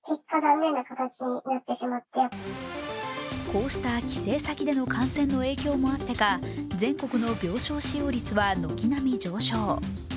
こうした帰省先での感染の影響もあってか全国の病床使用率は軒並み上昇。